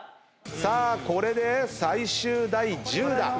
これで最終第１０打。